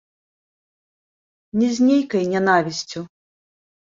Не з нейкай нянавісцю.